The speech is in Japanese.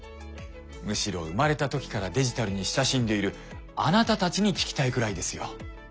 むしろ生まれた時からデジタルに親しんでいるあなたたちに聞きたいくらいですよ。